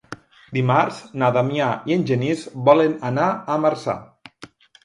Dimarts na Damià i en Genís volen anar a Marçà.